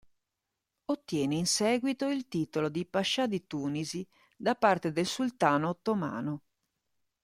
Ottiene in seguito il titolo di Pascià di Tunisi da parte del sultano ottomano.